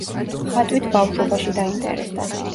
ხატვით ბავშვობაში დაინტერესდა.